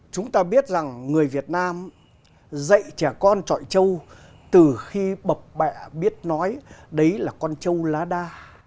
chúng ta biết rằng người việt nam dạy trẻ con trọi trâu từ khi bập bẹ biết nói đấy là con trâu lá đa